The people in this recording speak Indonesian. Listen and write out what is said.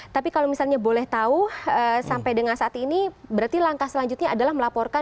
tapi kalau misalnya boleh tahu sampai dengan saat ini berarti langkah selanjutnya adalah melaporkan